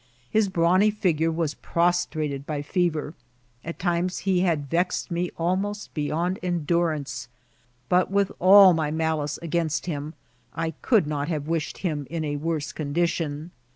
His brawny figure was prostrated by fe* ▼er ; at times he had vexed me almost beyond endu rance ; bnt, with all my malice against him, I could not hare widied him in a worse condition.